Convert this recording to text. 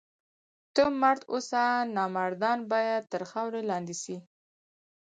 ته مرد اوسه! نامردان باید تر خاورو لاندي سي.